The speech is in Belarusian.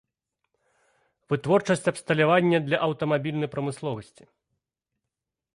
Вытворчасць абсталявання для аўтамабільнай прамысловасці.